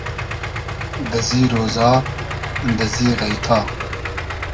دئزی رۉزا دئزی غݷتا